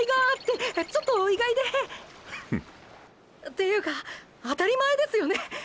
ていうかあたり前ですよね！